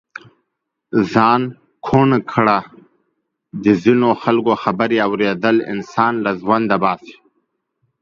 ځان ڪوڼ ڪړه د ځينو خلڪو خبرې اوریدل انسان له ژونده باسي.